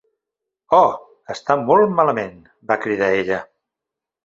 "Oh, està molt malament!", va cridar ella.